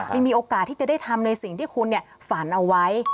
มีโอกาสที่จะได้ทำในสิ่งที่คุณฝันเอาไว้